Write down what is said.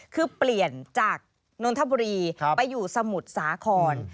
คือเปลี่ยนจากนนทบุรีไปอยู่สมุทรสาคร